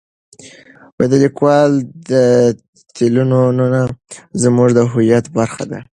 د لیکوالو تلینونه زموږ د هویت برخه ده.